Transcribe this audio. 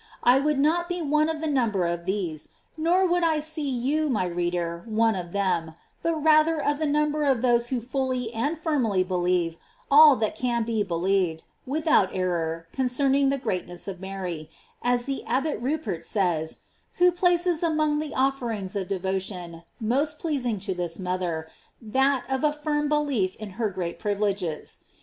I would not be one of the number of these, nor would I gee you, my reader, one of them, but rather of the number of those who fully and firmly be lieve all that can be believed, without error, con cerning the greatness of Mary, as the Abbot Ru pert says, who places among the offerings of devotion most pleasing to this mother, that of a firm belief in her great privileges.